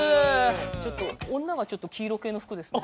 ちょっと女がちょっと黄色系の服ですね。